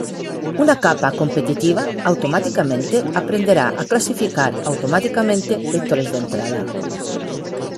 Una capa competitiva automáticamente aprenderá a clasificar automáticamente vectores de entrada.